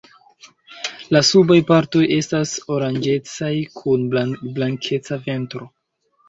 La subaj partoj estas oranĝecaj kun blankeca ventro.